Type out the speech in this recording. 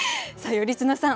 頼綱さん